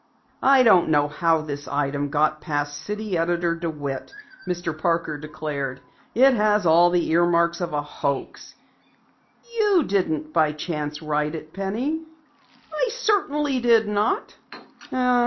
"I don't know how this item got past City Editor DeWitt," Mr. Parker declared. "It has all the earmarks of a hoax! You didn't by chance write it, Penny?" "I certainly did not."